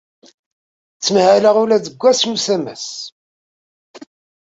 Ttmahaleɣ ula deg wass n usamas.